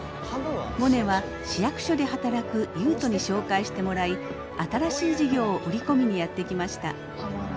モネは市役所で働く悠人に紹介してもらい新しい事業を売り込みにやって来ました。